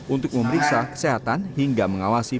untuk memeriksa kesehatan hingga mengawasi